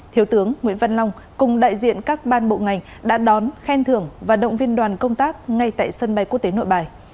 thiếu tướng nguyễn văn long cùng đại diện các ban bộ ngành đã đón khen thưởng và động viên đoàn công tác ngay tại sân bay quốc tế nội bài